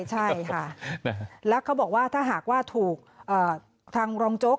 ใช่ค่ะแล้วเขาบอกว่าถ้าหากว่าถูกทางรองโจ๊ก